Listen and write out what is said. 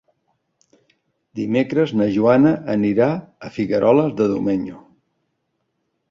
Dimecres na Joana anirà a Figueroles de Domenyo.